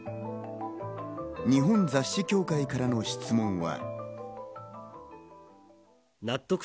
日本雑誌協会からの質問は。